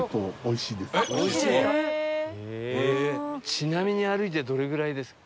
ちなみに歩いてどれぐらいですか？